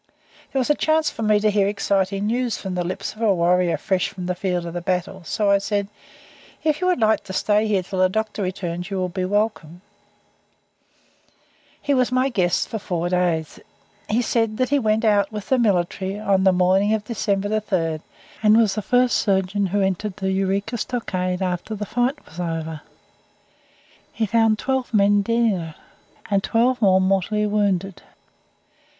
"There was a chance for me to hear exciting news from the lips of a warrior fresh from the field of battle, so I said: "If you would like to stay here until the doctor returns you will be welcome." *[Footnote] Peter Lalor. He was my guest for four days. He said that he went out with the military on the morning of December 3rd, and was the first surgeon who entered the Eureka Stockade after the fight was over. He found twelve men dead in it, and twelve more mortally wounded.